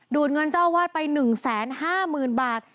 ดูดเงินเจ้าอาวาทไปหนึ่งแสนห้ามืนบาท